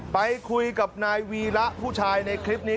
ไปคุยกับนายวีระผู้ชายในคลิปนี้